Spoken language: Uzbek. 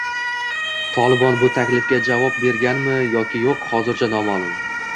“Tolibon” bu taklifga javob berganmi yoki yo‘q, hozircha noma’lum